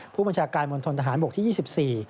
ผู้ประชาการวงศัลทหารบกที่๒๔